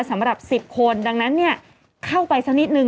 สำหรับ๑๐คนดังนั้นเข้าไปสักนิดนึง